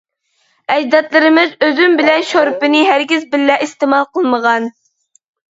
ئەجدادلىرىمىز ئۈزۈم بىلەن شورپىنى ھەرگىز بىللە ئىستېمال قىلمىغان.